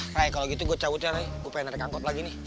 rai kalau gitu gue cabut ya nih gue pengen naik angkot lagi nih